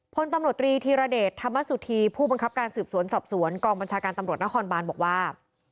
พลตำรวจตรีธีรเดชธรรมสุธีผู้บังคับการสืบสวนสอบสวนกองบัญชาการตำรวจนครบานบอกว่า